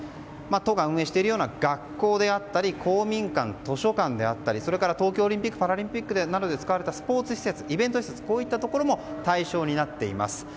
都が運営しているような学校や公民館、図書館それから東京オリンピック・パラリンピックなどで使われたスポーツ施設イベント施設といったところも対象になっています。